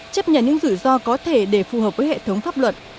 chấp nhận những rủi ro có thể để phù hợp với hệ thống pháp luật